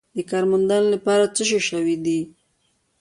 د کار موندنې لپاره څه شوي دي؟